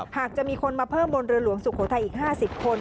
หากจะมีคนมาเพิ่มบนเรือหลวงสุโขทัยอีก๕๐คน